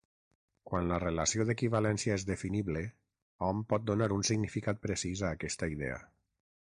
Quan la relació d'equivalència és definible, hom pot donar un significat precís a aquesta idea.